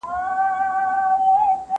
هغه مواد چي نامعلوم وو اوس روښانه سول.